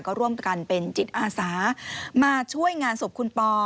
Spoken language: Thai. ก็ร่วมกันเป็นจิตอาสามาช่วยงานศพคุณปอ